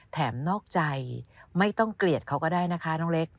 นอกใจไม่ต้องเกลียดเขาก็ได้นะคะน้องเล็ก